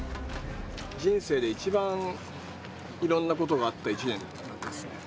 人生で一番いろんなことがあった１年ですね。